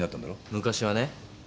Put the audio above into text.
昔はね。